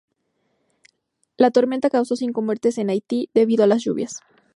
La tormenta causó cinco muertes en Haití debido a las lluvias.